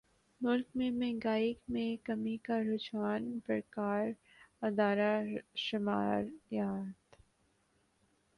ملک میں مہنگائی میں کمی کا رجحان برقرار ادارہ شماریات